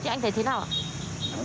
thế anh thấy thế nào ạ